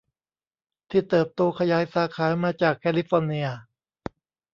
ที่เติบโตขยายสาขามาจากแคลิฟอร์เนีย